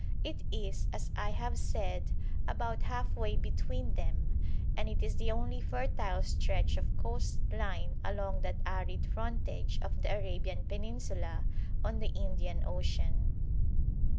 It is, as I have said, about half way between them, and it is the only fertile stretch of coast line along that arid frontage of the Arabian Peninsula on to the Indian Ocean.